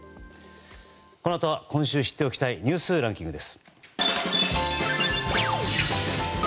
このあとは、今週知っておきたいニュースランキングです。